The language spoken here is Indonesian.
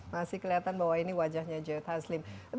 masih kelihatan bahwa ini wajahnya joe taslim